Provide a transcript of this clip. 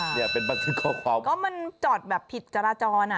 จริงค่ะเป็นบัตรศึกข้อความก็มันจอดแบบผิดกรจร